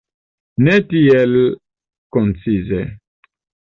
Ne tiel koncize.